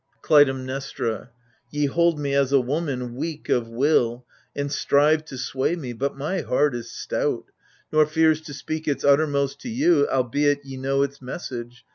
Clytemnestra Ye hold me as a woman, weak of will. And strive to sway me : but my heart is stout, Nor fears to speak its uttermost to you. Albeit ye know its message.